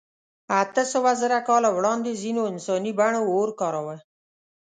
اتهسوهزره کاله وړاندې ځینو انساني بڼو اور کاراوه.